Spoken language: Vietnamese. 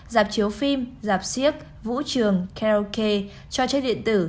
dạp chiếu phim dạp siếc vũ trường karaoke cho chất điện tử